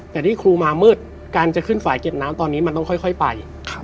แต่ที่ครูมามืดการจะขึ้นฝ่ายเก็บน้ำตอนนี้มันต้องค่อยไป